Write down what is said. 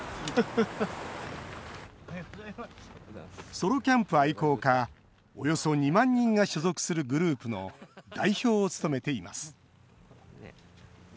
ソロキャンプ愛好家およそ２万人が所属するグループの代表を務めています。